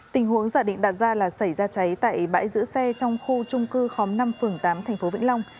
tình huống giả định đạt ra là xảy ra cháy tại bãi giữ xe trong khu trung cư khóm năm phường tám tp vĩnh long